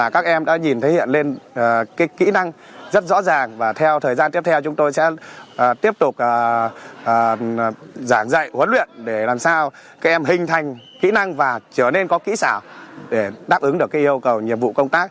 các em đã nhìn thấy hiện lên kỹ năng rất rõ ràng và theo thời gian tiếp theo chúng tôi sẽ tiếp tục giảng dạy huấn luyện để làm sao các em hình thành kỹ năng và trở nên có kỹ xảo để đáp ứng được yêu cầu nhiệm vụ công tác